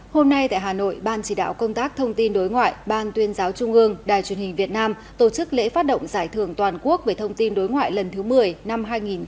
hôm nay tại hà nội ban chỉ đạo công tác thông tin đối ngoại ban tuyên giáo trung ương đài truyền hình việt nam tổ chức lễ phát động giải thưởng toàn quốc về thông tin đối ngoại lần thứ một mươi năm hai nghìn hai mươi